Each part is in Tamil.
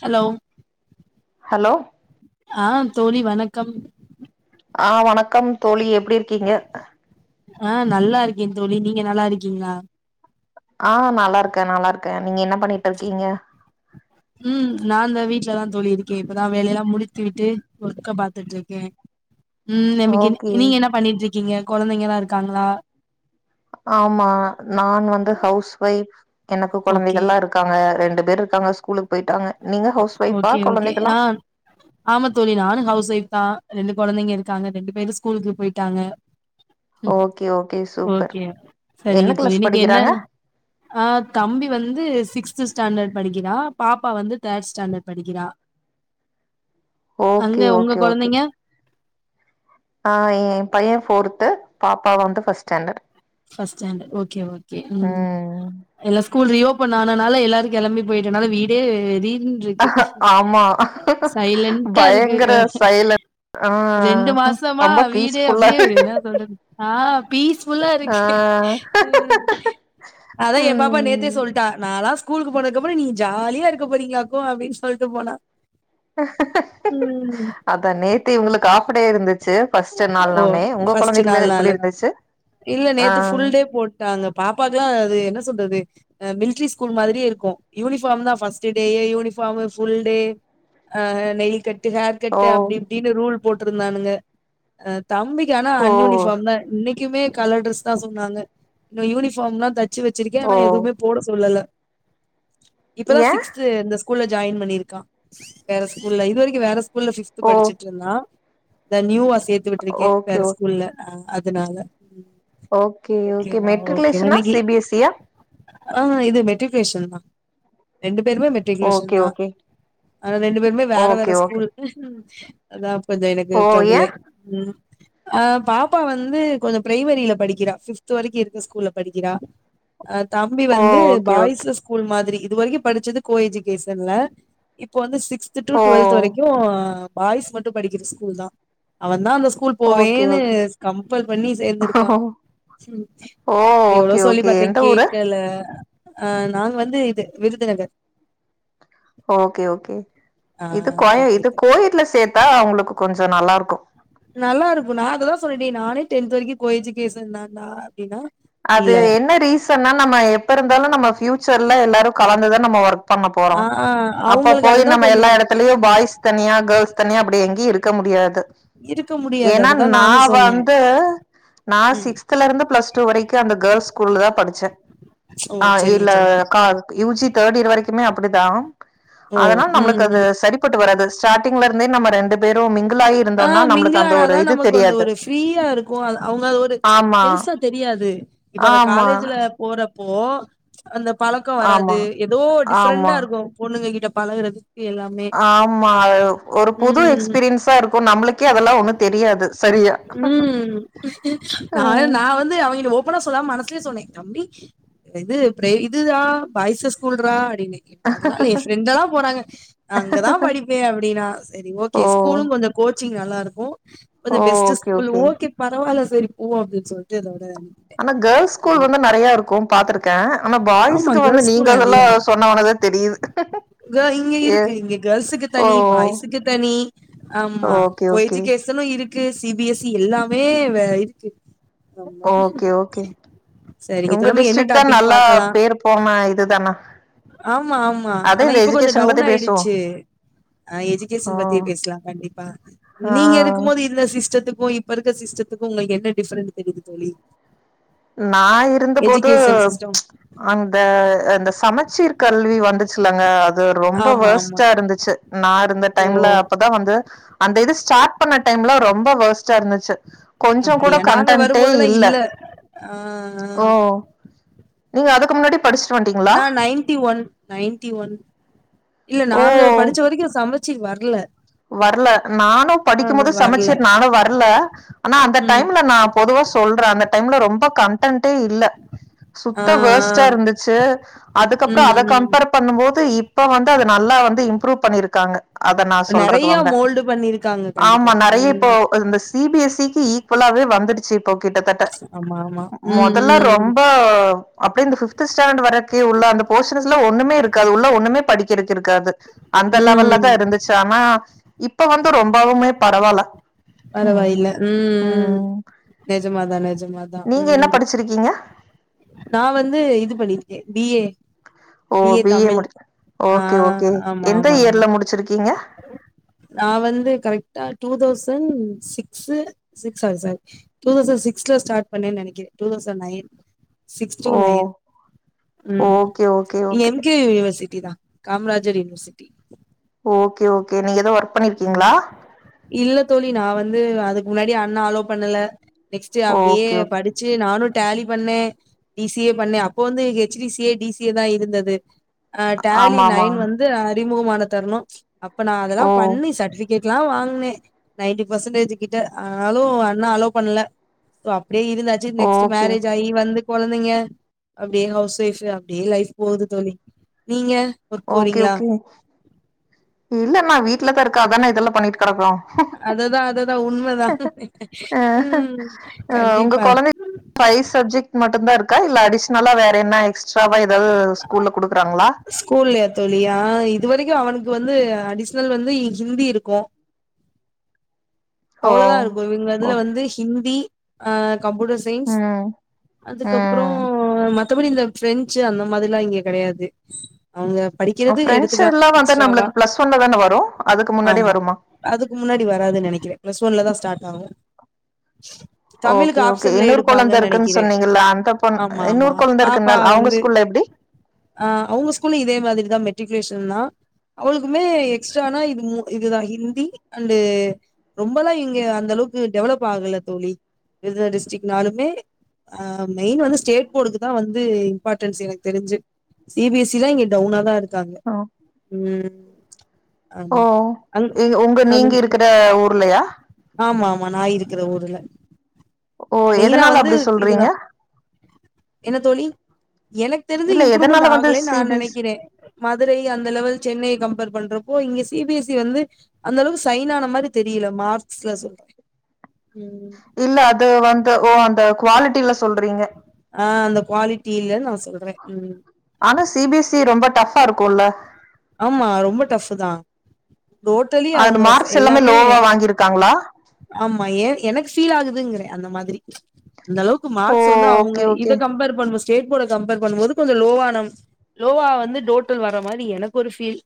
ஹலோ ஹலோ ஆ தோழி வணக்கம் ஆ வணக்கம் தோழி எப்டி இருக்கீங்க ஆ நல்லா இருக்கே தோழி நீங்க நல்லா இருக்கீங்களா ஆ நல்லா இருக்கே நல்லா இருக்கே நீங்க என்ன பண்ணிட்டு இருக்கீங்க ம் நா‌ இந்த வீட்லதா தோழி இருக்கே இப்பதா வேலையெல்லா முடித்து விட்டு ஒர்க்க பாத்துட்டுருக்கே ம் ஓகே நம்மகென்ன நீங்க ‌என்ன பண்ணிட்ருக்கீங்க கொழந்தைங்கல்லா இருக்காங்களா ஆமா நான் வந்து ஹவுஸ் ஒய்ஃப் எனக்கு ஓகே கெழந்தைகல்லா இருக் க்காங்க ரெண்டு பேர் இருக்காங்க ஸ்கூலுக்கு போயிட்டாங்க நீங்க ஹவுஸ் ஒய்ஃபா ஓகே ஓகே கொழந்தைங்களா ஆ ஆமா தோழி நானு ஹவுஸ் ஒய்ஃப்தா ரெண்டு கெழந்தைங்க இருக்காங்க ரெண்டு பேரு ஸ்கூலுக்கு போயிட்டாங்க ஓகே ஓகே சூப்பர் ஓகே என்ன சரிங்க தோழி கிளாஸ் இன்னிக்கு என்ன படிக்கிறாங்க ஆ தம்பி வந்து சிக்ஸ்த் ஸ்டாண்டட் படிக்கிறா பாப்பா வந்து தேர்ட் ஸ்டாண்டர்ட் படிக்கிறா அங்க ஓகே உங்க ஓகே ஓகே கெழந்தைங்க ஆ ஏ பையே ஃபோர்த்து பாப்பா வந்து first standard first standard okay okay ம் எல்லா ஸ்கூல் ரீஓபன் ஆனனால எல்லாரு கெளம்பி போயிட்டனால வீடே [unintelligible] ருக்கு ஆமா சைலண்டா இருக்கு பயங்கர ஆ சைலண்ட் ஆ ரெண்டு மாசமா ரொம்ப வீடே பீஸ்ஃபுல்லா அப்டியே என்ன சொல்றது ஆ பீஸ்ஃபுல்லா இரு க்கு ஆ ம் அதா யேன் பாப்பா நேத்தே ம் சொல் ட்டா நால்லா ஸ்கூலுக்கு போனதுக்கப்றோ நீ ஜாலியா இருக்கப் போறீங்களாக்கு அப்டின்னு சொல்ட்டு போனா ம் அதா நேத்து இவங்களுக்கு ஆஃப் டே இருந்து ச்சு ஃபஸ்ட்டு ஓ நாள்னவுன்னே உங்க ஃபஸ்ட்டு கொழந்தைக்கெல்லா நால் எப்பிடி நாளு இருந்துச்சு ஆ ஆ அந்த பாப்பாக்குலா அது என்ன சொல்றது அ மில்ட்ரி ஸ்கூல் மாதிரியே இருக்கு யூனிஃபார்ம்தா ஃபஸ்ட்டு டேயே யூனிஃபார்மு ஃபுல் டே ஆ நெய்ல் கட்டு ஹேர் ஓ கட்டு அப்டி இப்டின்னு ரூல் போட்ருந்தானுங்க அ தம்பிக்கி ஆனா ஓ அன்யூனிஃபார்ம்தா இன்னைக்குமே கலர் ட்ரெஸ்தா சொன்னாங்க இன்னு யூனிஃபார்ம்லா தச்சு வச்சிருக்கே ஓ ஆனா எதுவுமே போட சொல்லல இப்பதா ஏ சிக்ஸ் த்து இந்த ஸ்கூல்ல ஜாயின் பண்ணிருக்கா வேற ஸ்கூல்ல இது வரைக்கு வேற ஸ்கூல்ல ஃபிஃப்த் ஓ படிச்சிட்ருந்தா நியூவா சேத்து விட்ருக்கே ஓகே வேற ஓ ஸ்கூல்ல ஆ அதனால ம் ஓகே ஓகே மெட்ரிகுலேஷனா சி பி எஸ் சி யா ஆ இது மெட்ரிகுலேஷன்தா ரெண்டு பேருமே மெட் ஓகே ரிகுலேசன்தா ஓகே ஆனா ரெண்டு பேருமே வேற வேற ஓகே ஓகே ஸ்கூல் அதா இப்ப இந்த எனக்கு ஓ ஏ ட்ரபுளே ம் ஆ பாப்பா வந்து கொஞ்ச பிரைமரில படிக்கிறா ஃபிஃப்த்து வரைக்கு இருக்க ஸ்கூல்ல படிக்கிறா அ தம்பி ஓ வந்து ஓகே ஓகே பாய்ஸஸ் ஸ்கூல் மாதிரி இது வரைக்கு படிச்சது கோ எஜுகேஷன்ல இப்ப வந்து சிக் ஸ்த் டு ஓ டுவெல்த் வரைக்கு பாய்ஸ் மட்டு படிக்கிற ஸ்கூல்தா அவன்தா அந்த ஸ்கூல் ஓகே போவேன்னு ஓகே கம்பல் பண்ணி சேந்திருக்கா ஓ எவ்ளோ ஓகே சொல்லி ஓகே பாத்தே எந்த ஊரு கேக்கல ஆ நாங்க வந்து இது விருதுநகர் ஓகே ஓகே ஆ இது கோய ஓகே இது தோழி கோஎட்ல சேத்தா அவங்களுக்கு கொஞ்சொ நல்லா இருக்கு நல்லா இருக்கு நா அததா சொல்லிட்டே நானே டென்த் வரைக்கு கோஎஜுகேஷன்தாண்டா அப்டின்னா அது இல்ல என்ன ரீசன்னா நம்ம எப்ப இருந்தாலு நம்ம ஃபியூச்சர்ல எல்லாரு கலந்துதா நம்ம ஒர்க் பண்ண போறோ ஆ ஆ அப்ப அவங்களுக்கு போய் அதுதா நம்ம கொஞ்சோ எல்லா எடத்துலயு பாய்ஸ் தனியா கேர்ள்ஸ் தனியா அப்பிடி எங்கயு இருக்க முடியாது இருக்க முடியாது ஏன்னா அததா நா நானு சொன்னே வந்து நா ம் சிக்ஸ் த்துல இருந்து பிளஸ் டூ வரைக்கு அந்த கேர்ள்ஸ் ஸ்கூல்லதா படிச்சேன் ஓ ஆ சரிங்க இல்ல சரிங்க கா யூ ஜி தேர்ட் இயர் வரைக்குமே அப்பிடிதா ஓ அதனால ம் நம்மளுக்கு அது ம் சரி ப்பட்டு வராது ஸ்டார்ட்டிங்ல இருந்தே நம்ம ரெண்டு பேரு மிங்கிளாயி ஆ மிங்கிளானாதா நமக்கு வந்து ஒரு ஃப்ரீயா இருக்கு அது அவங்க அது ஒரு ஆமா பெருசா தெரியாது இப்ப அவ ஆமா காலேஜ்ல போறப்போ அந்த பழக்கோ வராது ஆமா எதோ டிஃப்ரெண்டா ஆமா இருக்கு பொண்ணுககிட்ட பழகுறதுக்கு எல்லாமே ஆமா அது ஒரு புது ம் எக்ஸ்பீரியன்ஸா இருக்கு நம்மளுக்கே அதெல்லா ஒண்ணு தெரியாது சரி ம் நா அதா நா வந்து அவங்கிட்ட ஓ ப்பனா சொல்லாம மனசுலயே சொன்னே தம்பி அ இது ப்ரே இதுடா பாய்ஸஸ் ஸ்கூல்றா அப்டின்னு எனக்கு அதல்லா இல்ல என் ஃப்ரெண்டெல்லா போறாங்க அங்கதா படிப்பே அப்பிடின்னா செரி ஓகே ஓ ஸ்கூலுங் கொஞ்சொ கோச்சிங் நல்லா இருக்கு கொஞ்ச ஓ பெஸ்ட்டு ஓகே ஸ்கூல் ஓகே பரவால்ல சரி போ அப்டின்னு சொல்ட்டு அதோட நி ஆனா கேள்ஸ் ஸ்கூல் வந்து நெறைய இருக்கு பா்த்திருக்கே ஆனா ஆமா பாய்ஸுக்கு வந்து கேர்ள்ஸ் நீங்க ஸ்கூல் அதெல்லா நெறையா சொன்ன ஒனேதா தெரியுது க இங்க ஏ இருக்கு இங்க கேர்ள்ஸுக்கு ஓ தனி பாய்ஸுக்கு தனி ஆமா ஓகே கோ ஓகே யெஜுகேஷ் மொத்தமா இருக்கு சி பி எஸ் சி எல்லாமே வேற இருக்கு ஆமா ஓகே ஓகே செரிங்க உங்க தோழி நம்ம என்ன டிஸ்ட்ரிக் தா டாபிக் பா நல்லா பேர் போன இதுதானா ஆமா ஆமா அதா ஆனா இந்த இப்ப கொஞ்சோ எஜுகேஷன் டவுன் பத்தி பேசுவோ ஆயிடுச்சு ஆ ஓ எஜுகேஷன் பத்தியே பேசலா கண்டிப்பா நீங்க ஆ இருக்கு போது இந்த சிஸ்டத்துக்கு இப்ப இருக்க சிஸ்டத்துக்கு உங்களுக்கு என்ன டிஃப்ரண்ட் தெரியுது தோழி நா இருந்தபோது எஜுகேஷன் சிஸ்டம் அந்த அந்த சமச்சீர் கல்வி வந்து ச்சுளாங்க அது ரொம்ப ஆமா ஆமா வொர்ஸ்ட்டா இருந்துச்சு நா இருந்த ஓ டைம்ல அப்ப ப்ப வந்து அந்த இது ஸ்டார்ட் பண்ண டைம்ல ரொம்ப வொர்ஸ்டா இருந்துச்சு கொஞ்சோ கூட அப்டியா நாங்க கன்டென்ட்டே வரும்போதெல்லா இல்ல ஆ ஓ நீங்க அதுக்கு முன்னாடி படிச்சுட்டு வன்ட்டீங்களா நா நைன்ட்டி ஒன் நைன்ட்டி ஒன் இல்ல நாங்க ஓ படிச்ச வரைக்கு சமச்சீர் வர்ல வரல நானு படிக்கு போது சமச்சீர் நானு வரல ஆனா அந்த ம் டைம்ல நா பொதுவா சொல்றே அந்த டைம்ல ரொம்ப கன்டென்ட்டே இல்ல ஆ ஆ சுத்த வொர்ஸ்ட்டா இருந்துச்சு அதுக்கப்றோ அத ம் ம் கம்பேர் பண்ணுபோது இப்ப வந்து அத நல்லா வந்து இம்ப்ரூ பண்ணிருக்காங்க அத நான் நெறைய மோல்டு பண்ணிருக்காங்க கண்டிப்பா ஆமா நெறையா இப்போ ம் அது miss C B S C க்கு ஈக்குவலாவே வந்துடுச்சு இப்போ கிட்டத்தட்ட ஆமா ஆமா ம் மொதல்லா ம் ரொம்ப அப்டியே இந்த ஃபிப்த் ஸ்டாண்டர்ட் வரக்கி உள்ள அந்த போஷன்ஸ்லா ஒன்னுமே இருக்காது உள்ள ஒன்னுமே படிக்கிறதுக்கு இருக்காது அந்த ம் லெவல்லதா இருந்துச்சு ஆனா இப்ப வந்து ரொம்பவுமே பரவால்ல ம் பரவாயில்ல ம் ம் நெஜமாதா நெஜமாதா நீங்க என்ன ம் படிச்சிருக்கீங்க நா வந்து இது பண்ணிருக்கே B A B A Tamil ஆ ஓகே ஓகே ஆமா எந்த ஆமா ஆமா இயர்ல முடிச்சிருக்கீங்க நா வந்து கரெக்டா two thousand six six sorry sorry two thousand சிக்ஸ்ல ஸ்டார்ட் பண்ணே நெனைக்கிறே two thousand nine six two ஓ நைன் ம் ஓகே ஓகே நீங்க ஓகே என் து யுனிவர்சிட்டி தா காமராஜர் யுனிவர்சிட்டி ஓகே ஓகே நீங்க எது ஒர்க் ம் பண்ணிருக்கீங்களா இல்ல தோழி நா வந்து அதுக்கு முன்னாடி அண்ணா அலோ பண்ணல நெக்ஸ்ட்டு அப்டியே ஓகே ஓகே படிச்சு நானு டேலி பண்ணே டி சி ஏ பண்ணே அப்ப வந்து H D C A D C A தா இருந்தது ஆ டேலி ஆமா ஆமா நைன் வந்து அறிமுகமான தருணோ அப்ப நா அதெல்லா ஓ பண்ணி சர்ட்வி டிக்கெட்லா வாங்னே நைன்டி பர்சன்டேஜ்ஜு கிட்ட ஆனாலு அண்ணா அலோ பண்ல சோ அப்டியே இருந்தாச்சி நெக்ஸ்ட்டு ஓகே மேரேஜ் ஆயி வந்து கொழந்தைங்க அப்டியே ஹவுஸ் ஒய்ஃப் அப்டியே லைஃப் போகுது தோழி நீங்க ஒர்க் ஓகே போறீங்களா ஓகே இல்ல நா வீட்லதா இருக்க அதான இதெல்லா பண்ணிட்டு கெடக்கோ அததா அததா உண்மதா ம் ஆ ஒங்க கண்டிப்பா கொழந்தைக் வயசு இது மட்டுந்தா இருக்கா இல்ல அடிஷ்னலா வேற என்ன எக்ஸ்ட்ராவா எதாது ஸ்கூல்ல குடுக்குறாங்களா ஸ்கூல்லையா தோழி ஆ இது வரைக்கு அவனுக்கு வந்து அடிஸ்னல் வந்து ஹிந்தி இருக்கு ஓ அவ்ளோதா இருக்கு இவுங்க இதுல ஓகே வந்து ஹிந்தி ஆ கம்ப்யூட்டர் சைன்ஸ் ம் அதுக்கப்றோ ம் அ மத்தபடி இந்த பிரெஞ்சு அந்த மாதிரிலா இங்க கெடையாது அவுங்க படிக்கறது ஃப்ரெண்ட்ஸ் எடுத்துக்கலா எல்லா வந்து எக்ஸ்ட்ராவா நம்மளுக்கு பிளஸ் ஒன்ல தான வரு அதுக்கு முன்னாடி ஆம்மா வருமா அதுக்கு முன்னாடி வராதுனு நெனைக்கிறே பிளஸ் ஒன்லதா ஸ்டாட் ஆவு தமிழுக்கு ஓகே ஓகே ஆப்ஷன்ல இன்னொரு கொழந்த எடுப்பாங்கன் இருக்குன்னு நெனைக்கிறே சொன்னீங்கல்ல அந்த பொண் ஆமாமா இன்னொரு கொழந்த பாப்பா இருக்குன்னால அவங்க வந்து ஸ்கூல்ல எப்டி ஆ அவுங்க ஸ்கூல்ல இதே மாதிரிதா மெட்ரிகுலேஷன்தா அவளுக்குமே எக்ஸ்ட்ரானா இது மூ இதுதா ஹிந்தி அண்டு ரொம்பலா இங்க அந்தளவுக்கு டெவலப் ஆகல தோழி விருதுநர் டிஸ்ட்ரிக்னாலுமே அ மெயின் வந்து ஸ்டேட் போடுக்குத்தா வந்து இம்ப்பாட்டன்ஸ் எனக்கு தெரிஞ்சு சி பி எஸ் இ லா இங்க டவுனாதா இருக்காங்க ம் ஓ ஆமா அங் எங்க உங்க நீங்க இருக்கிற ஊர்லையா ஆமாமா நா இருக்கிற ஊருல ஓ மெயினா எதனால வந்து அப்டி இதுதா சொல்றீங்க என்ன தோழி எனக்கு தெரிஞ்சு இல்ல இம்ப்ரூமெண்ட் எதனால வந்து ஆகலே நா சிபிஸ் நெனக்கிறே மதுரை அந்த லெவல் சென்னை கம்பேர் பண்றப்போ இங்க சி பி எஸ் இ வந்து அந்தளவு சைனான மாரி தெரில மார்க்ஸ்ல சொல்றே இல்ல அது வந்து ஓ அந்த குவாலிட்டில சொல்றீங்க அ அந்த குவாலிட்டி இல்லன் நா சொல்றே ம் ஆனா சி பி எஸ் இ ரொம்ப டஃபா இருக்குல்ல ஆமா ரொம்ப டஃபு தா டோட்டலி அது அவுங்க ச மார்க்ஸ் எல்லாமே லோவா வாங்கிருக்காங்களா ஆமா எ எனக்கு ஃபீல் ஆகுதுங்குறே அந்த மாதிரி ந்தளவுக் கு ஓ மார்க்ஸ் வந்து அவுங்க ஓகே ஓகே இத கம்பேர் பண்ணும்போ ஸ்டேட் போட கம்பேர் பண்ணும் போது கொஞ்ச லோவானம் லோவா வந்து டோட்டல் வர்ற மாரி எனக் ஒரு ஃபீல்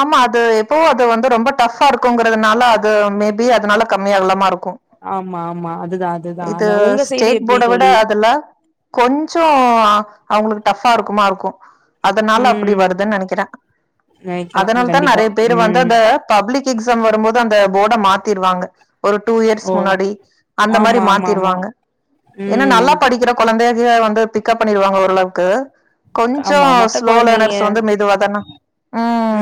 ஆமா அது எப்பவு அது வந்து ரொம்ப டஃபாருக்குங்குறதுனால அது மேபி அதுனால கம்மியாகலாமாருக்கு ஆமா ஆமா அதுதா அதுதா இது அதா உங்க சைடு ஸ்டேட் எப்டி போட விட தோழி அதல கொஞ்ச அவுங்குளுக்கு டஃபா இருக்குமாருக்கு அதனால அப்பிடி ம் வருதுன் நெனக்கிறே வைக்கலா அதனால் கண்டிப்பா தாநெறைய பேர் வந்து ம் அத பப்ளிக் எக்ஸாம் வரும்போது அந்த போட மாத்திருவாங்க ஒரு டூ இயர்ஸ் ஓ முன்னாடி அந்த மாரி ஆமா ஆமா ஆமா மாத்திருவாங்க ஏனா நல்லா ம் படிக்கிற கொழந்தைக வந்து பிக்கப் பண்ணிருவாங்க ஓரளவுக்கு கொஞ்ச ஆமா மத்த ஸ்லோ கொழந்தைங்க லேனர்ஸ் வந்து மெதுவாதான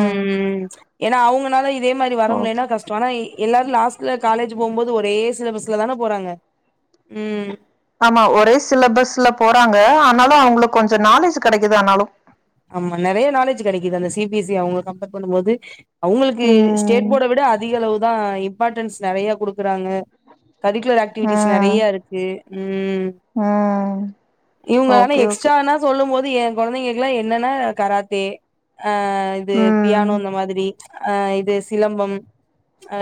ம் ம் ஏனா அவுங்கனால இதே மாரி ஓகே. வரமுலேனா கஷ் டோ ஆனா எல்லாரு லாஸ்ட்ல காலேஜ் போம்போது ஒரே சிலபஸ்லதான போறாங்க ம் ஆமா ஒரே சிலபஸ்ல போறாங்க ஆனாலு அவுங்குளுக்கு கொஞ்ச நாலேஜ் கெடைக்குது ஆனாலு ஆமா நெறைய நாலேஜ் கெடைக்குது அந்த சி பி எஸ் இ அவுங்கள கம்பேர் பண்ணும் போது அவுங்களுக்கு ஸ்டேட் ம். போட விட அதிகளவுதா இம் ப்பாட்டன்ஸ் நெறைய குடுக்குறாங்க கரிக்குலர் ஆக் ட்டிவிட்டிஸ் ம். நெறைய இருக்கு ம் ம். இவுங்க ஆனா ஓகே, எக்ஸ்ட்டா ஓகே. ஆனா சொல்லும் போது எங் கொழந்தைங்களுக்லா என்னனா கராத்தே அ இது ம். பியானோ இந்த மாதிரி அ இது சிலம்பம் அ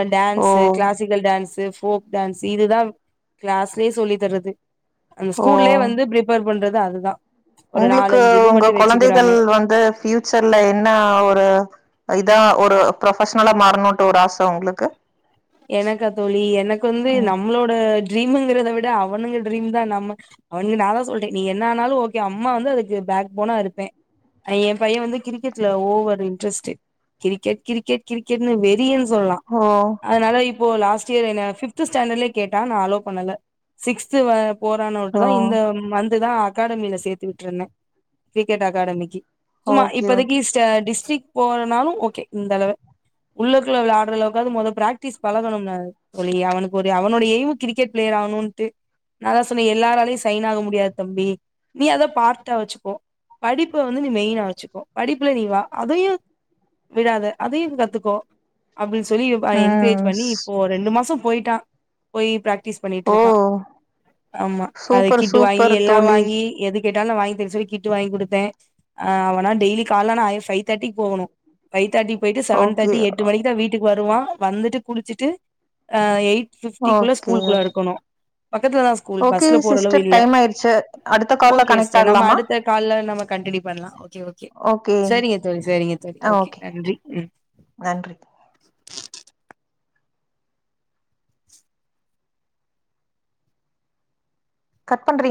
ஓ! Dance classical dance folk dance இதுதா கிளாஸ்லே சொல்லி தர்றது அந்த ஸ்கூல்லே வந்து ப்ரிப் பேர் பண்றது அதுதா ஒரு உங்ளுக்கு நாலஞ்சு இது ஒங்க மட்டு கொழந்தைகள் வச்சுக்கிறாங்க வந்து ஃப்யூச்சர்ல என்ன ஆவுற இதா ஒரு ப்ரொஃபஷனலா மாறணுன்ட்டு ஒரு ஆச உங்குளுக்கு எனக்கா தோழி எனக்கு வந்து ம் நம்மளோட ட்ரீமுங்கறத விட அவனுங்க ட்ரீம் தா நம்ம அவனுக்கு நா அதா சொல்ட்டே நீ என்ன ஆனாலு ஓகே அம்மா வந்து அதுக்கு பேக் போனா இருப்பே அ ஏம்பைய வந்து கிரிக்கெட்ல ஓவர் இன்ட்ரெஸ்ட்டு கிரிக்கெட் கிரிக்கெட் கிரிக்கெட்னு வெறியன் சொல்லலா ஓ அதனால இப்போ லாஸ்ட்டியர் என்ன பிஃப்த்து ஸ்டாண்டலே கேட்டா நா அலோ பண்ணல சிக்ஸ்த் வ போரானோட்டு ஓ தா இந்த மந்துதா அக்காடமில சேத்து விட்ருந்தே கிரிக்கெட் அக்காடமிக்கு சும்மா ஓகே இப்போதைக்கி ஓகே ச டிஸ்ட்ரிக் போவன்னாலு ஓகே இந்தளவ உள்ளுக்குள்ள விளாட்றளவுக்காது மொத பிராக்ட்டிஸ் பழகணும்ல தோழி அவனுக்கொரு அவனுடைய எய்ம் கிரிக்கெட் ப்ளேயர் ஆவணுன்ட்டு நா அதா சொன்னே எல்லாராலயு சைனாக முடியாது தம்பி நீ அத பார்ட்டா வச்சுக்கோ படிப்ப வந்து நீ மெயினா வச்சுக்கோ படிப்புல நீ வா அதையு விடாத அதையு கத்துக்கோ அப்டின் சொல்லி பா என்க்ரேஜ் ம் பண்ணி ஸ் இப்போ ரெண்டு மாசோ போயிட்டா போய் பிராக்டிஸ் ஓ பண்ணிட்ருக்கா ஆமா அத சூப்பர் கிட்டு வாங்கி சூப்பர் எல்லா தோழி வாங்கி எதுக் கேட்டாலு நா வாங்கி தர சொல்லி கிட்டு வாங்கி குடுத்தே அ அவனா டெய்லி கால்ல ஆனா ஐ ஃபைவ் தேர்ட்டிக்கு போவனோ ஃபைவ் தேர்டிக்கு போயிட்டு செவன் ஓகே தேர்ட்டி எட்டு மணிக்கு தா வீட்டுக்கு வருவா வந்துட்டு குளிச்சிட்டு அ எயிட் ஃபிஃப்ட்டிக்குள்ள ஓகே ஸ்கூல்குள்ள ஓகே இருக்கனு பக்கத்துல தா ஸ் கூல் ஓகே பஸ்ல போறளவு சிஸ்டர் இல்ல டைம் ஆயிடுச்சு அடுத்த கால்ல ஓகே கனெக்ட் சிஸ்டர் நாம ஆகலாமா அடுத்த கால்ல நம்ம கண்டினியூ பண்லா ஓகே ஓகே சரிங்க தோழி சரிங்க தோழி ஓகே நன்றி ம் நன்றி கட் பண்றீங்